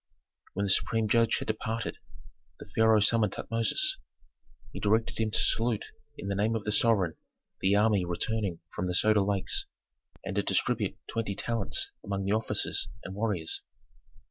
When the supreme judge had departed, the pharaoh summoned Tutmosis. He directed him to salute in the name of the sovereign the army returning from the Soda Lakes, and to distribute twenty talents among the officers and warriors.